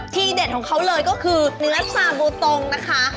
เด็ดของเขาเลยก็คือเนื้อซาบูตงนะคะ